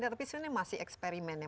tapi sebenarnya masih eksperimen ya